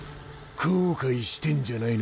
後悔してんじゃないのか？